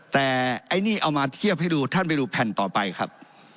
แต่ไอ้นี่เอามาเทียบให้ดูท่านไปดูแผ่นต่อไปครับ